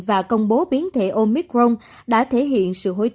và công bố biến thể omicron đã thể hiện sự hối trọng